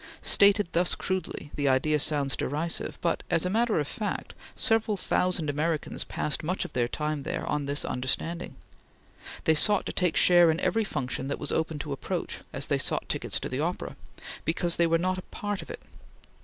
Stated thus crudely, the idea sounds derisive; but, as a matter of fact, several thousand Americans passed much of their time there on this understanding. They sought to take share in every function that was open to approach, as they sought tickets to the opera, because they were not a part of it.